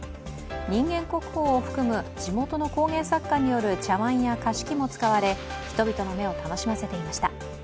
人間国宝を含む地元の工芸作家による茶わんや菓子器も使われ、人々の目を楽しませていました。